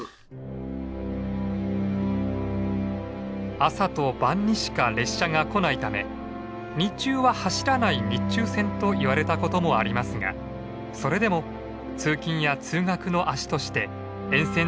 朝と晩にしか列車が来ないため「日中は走らない日中線」といわれたこともありますがそれでも通勤や通学の足として沿線住民の生活を支え続けました。